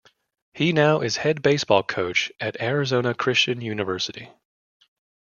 He now is head baseball coach at Arizona Christian University.